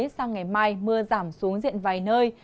sang ngày mai mưa giảm xuống diện vài nơi